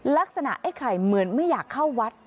ลักษณะไอ้ไข่เหมือนไม่อยากเข้าวัด